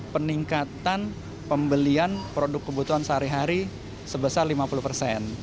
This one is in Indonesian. peningkatan pembelian produk kebutuhan sehari hari sebesar lima puluh persen